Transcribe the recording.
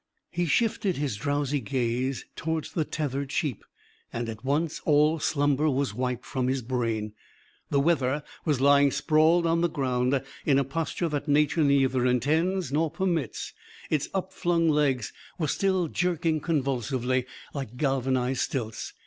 He shifted his drowsy gaze towards the tethered sheep. And at once all slumber was wiped from his brain. The wether was lying sprawled on the ground, in a posture that nature neither intends nor permits. Its upflung legs were still jerking convulsively, like galvanised stilts.